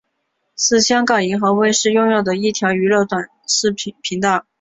是香港银河卫视拥有的一条娱乐频道。